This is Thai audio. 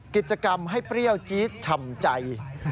กิจกรรมให้เปรี้ยวจี๊ดฉ่ำใจ